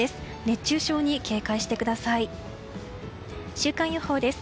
週間予報です。